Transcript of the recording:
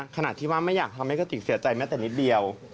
ขณะที่ว่าไม่อยากทำให้กระติกเสียใจแม้แต่นิดเดียว